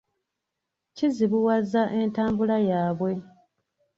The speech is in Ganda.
Kizibuwazza entambula yaabwe.